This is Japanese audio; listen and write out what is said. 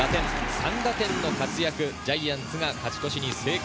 ３打点の活躍、ジャイアンツが勝ち越しに成功。